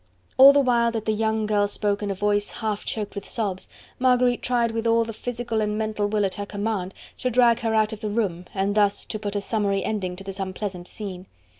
All the while that the young girl spoke in a voice half choked with sobs, Marguerite tried with all the physical and mental will at her command to drag her out of the room and thus to put a summary ending to this unpleasant scene.